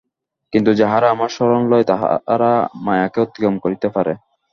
কিন্তু যাহারা আমার শরণ লয়, তাহারা মায়াকে অতিক্রম করিতে পারে।